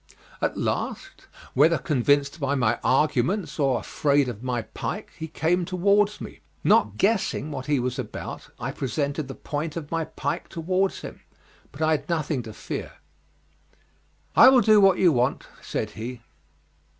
At last, whether convinced by my arguments or afraid of my pike, he came towards me. Not guessing what he was about I presented the point of my pike towards him, but I had nothing to fear. "I will do what you want," said he.